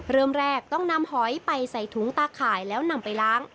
เริ่มแรกต้องนำหอยไปใส่ถุงตาข่ายแล้วนำไปล้าง